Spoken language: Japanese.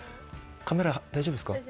カメラ大丈夫ですか？